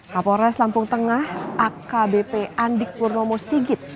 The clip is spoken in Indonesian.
kapolres lampung tengah akbp andik purnomo sigit